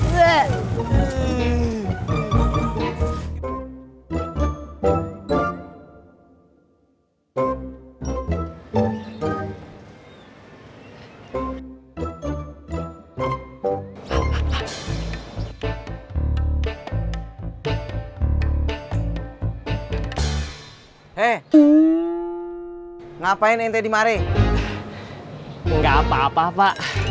sampai jumpa di video selanjutnya